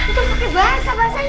itu pakai bahasa bahasa ini